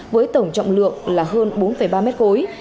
với tổng trọng lượng là hơn bốn ba mét khối